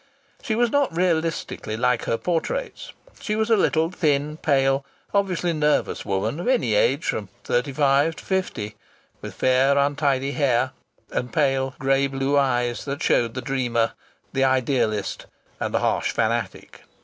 She was not realistically like her portraits. She was a little, thin, pale, obviously nervous woman, of any age from thirty five to fifty, with fair untidy hair, and pale grey blue eyes that showed the dreamer, the idealist and the harsh fanatic.